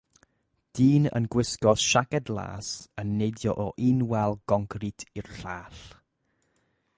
Dyn yn gwisgo siaced las yn neidio o un wal goncrit i'r llall.